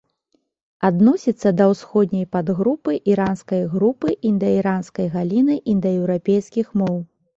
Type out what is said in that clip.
Адносіцца да усходняй падгрупы іранскай групы індаіранскай галіны індаеўрапейскіх моў.